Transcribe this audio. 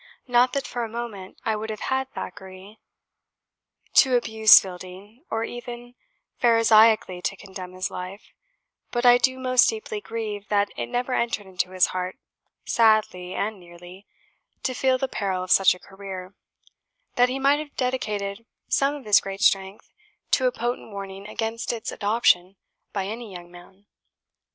Not that for a moment I would have had Thackeray to ABUSE Fielding, or even Pharisaically to condemn his life; but I do most deeply grieve that it never entered into his heart sadly and nearly to feel the peril of such a career, that he might have dedicated some of his great strength to a potent warning against its adoption by any young man.